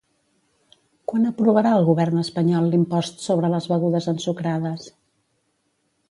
Quan aprovarà el govern espanyol l'impost sobre les begudes ensucrades?